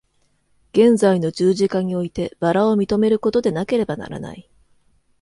現在の十字架において薔薇を認めることでなければならない。